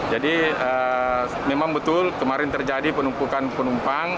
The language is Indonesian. jadi memang betul kemarin terjadi penumpukan penumpang